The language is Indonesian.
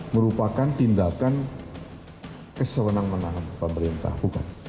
merupakan tindakan kesewenang menahan pemerintah